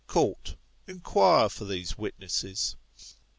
Court : Inquire for these witnesses.